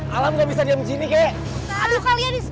alam gak bisa diam disini kek